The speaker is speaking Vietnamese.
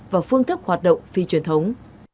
và phương thức hoạt động phi truyền thống